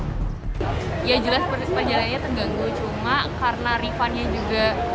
ya jelas perjalanannya terganggu cuma karena rifannya juga